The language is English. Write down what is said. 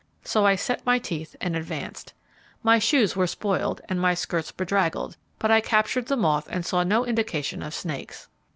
So I set my teeth and advanced. My shoes were spoiled, and my skirts bedraggled, but I captured the moth and saw no indication of snakes.